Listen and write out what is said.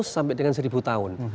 sampai dengan seribu tahun